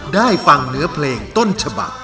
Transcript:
ได้ฟังเนื้อเพลงต้นฉบัก